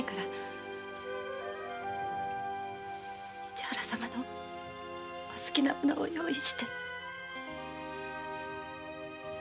市原様のお好きな物を用意して。